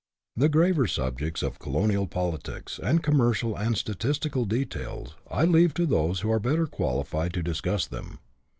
The graver subjects of colonial politics, and commercial and statistical details, I leave to those who are better qualified to discuss them.